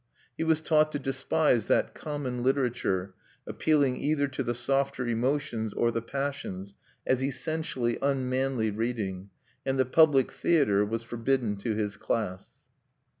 He was taught to despise that common literature appealing either to the softer emotions or the passions, as essentially unmanly reading; and the public theatre was forbidden to his class(2).